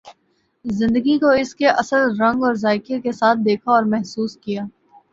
زندگی کو اس کے اصل رنگ اور ذائقہ کے ساتھ دیکھا اور محسوس کیا۔